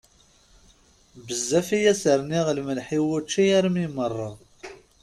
Bezzaf i as-rniɣ lemleḥ i wučči armi meṛṛeɣ!